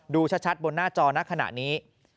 ดูชัดบนหน้าจอในขณะนี้